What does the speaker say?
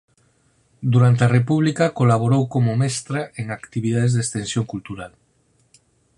Durante a República colaborou como mestra en actividades de extensión cultural.